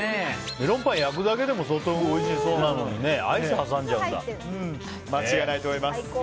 メロンパン焼くだけでも相当おいしそうなのに間違いないと思います。